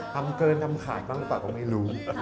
ทำเกินทำขาดบ้างก็ไม่รู้